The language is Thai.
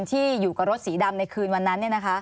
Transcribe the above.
ที่อยู่กับรถสีดำในคืนวันนั้น